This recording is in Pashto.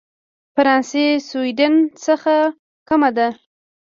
فرانسې سوېډن څخه کمه ده.